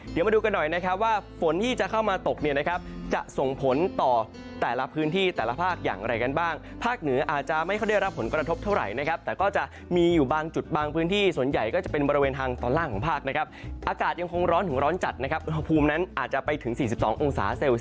เดี๋ยวมาดูกันหน่อยนะครับว่าฝนที่จะเข้ามาตกเนี่ยนะครับจะส่งผลต่อแต่ละพื้นที่แต่ละภาคอย่างไรกันบ้างภาคเหนืออาจจะไม่ค่อยได้รับผลกระทบเท่าไหร่นะครับแต่ก็จะมีอยู่บางจุดบางพื้นที่ส่วนใหญ่ก็จะเป็นบริเวณทางตอนล่างของภาคนะครับอากาศยังคงร้อนถึงร้อนจัดนะครับอุณหภูมินั้นอาจจะไปถึง๔๒องศาเซล